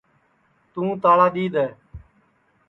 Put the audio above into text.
توں تاݪا دؔی دؔے